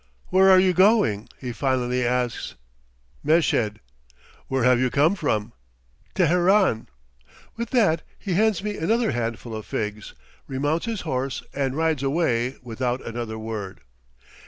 "Where are you going?" he finally asks. "Meshed." "Where have you come from?" "Teheran." With that he hands me another handful of figs, remounts his horse, and rides away without another word.